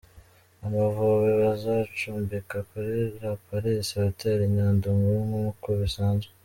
Amavubi bazacumbika kuri La Palisse Hotel i Nyandungu nk'uko bisanzwe.